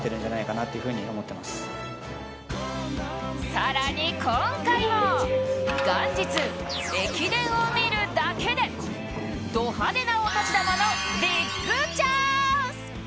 更に今回はも元日駅伝を見るだけでド派手なお年玉のビッグチャンス。